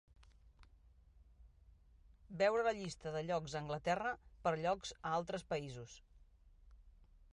Veure la llista de llocs a Anglaterra per llocs a altres països.